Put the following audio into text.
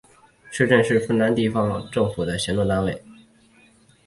市镇是芬兰地方政府的行政单位。